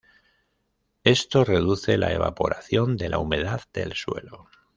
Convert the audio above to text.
Esto reduce la evaporación de la humedad del suelo.